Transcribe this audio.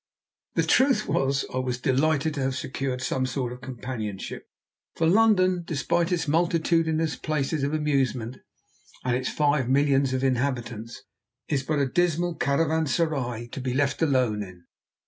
The truth was, I was delighted to have secured some sort of companionship, for London, despite its multitudinous places of amusement, and its five millions of inhabitants, is but a dismal caravanserai to be left alone in.